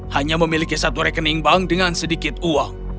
hanya memiliki satu rekening bank dengan sedikit uang